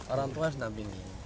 orang tua sedang bimbing